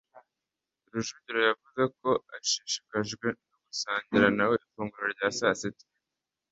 rujugiro yavuze ko ashishikajwe no gusangira nawe ifunguro rya sasita